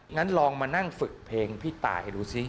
งั้นลองมานั่งฝึกเพลงพี่ตายดูสิ